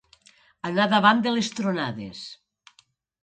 Anar davant de les tronades.